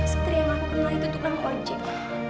satria yang aku kenal itu tukang koncik